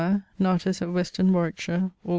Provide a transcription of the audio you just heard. natus at Weston, Warwickshire, Aug.